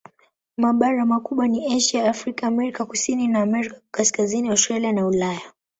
Mabara makubwa ni Asia, Afrika, Amerika Kusini na Amerika Kaskazini, Australia na Ulaya.